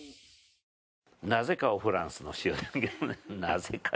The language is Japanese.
なぜかおフランスの塩なぜか。